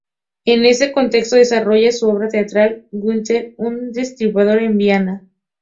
En este contexto desarrolla su obra teatral "Günter, un destripador en Viena".